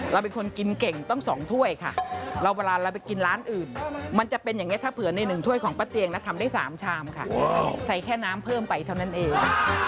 เราเป็นคนกินเก่งต้อง๒ถ้วยค่ะแล้วเวลาเราไปกินร้านอื่นมันจะเป็นอย่างนี้ถ้าเผื่อในหนึ่งถ้วยของป้าเตียงนะทำได้๓ชามค่ะใส่แค่น้ำเพิ่มไปเท่านั้นเอง